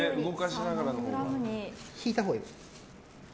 引いたほうがいい。